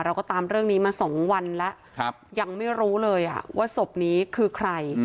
เราก็ตามเรื่องนี้มา๒วันแล้วยังไม่รู้เลยว่าศพนี้คือใคร